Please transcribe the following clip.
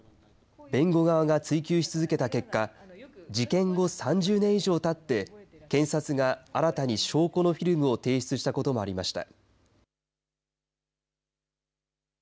根本さんが担当した殺人事件の一連の審理では弁護側が追及し続けた結果、事件後３０年以上たって、検察が新たに証拠のフィルムを提出したこともありました。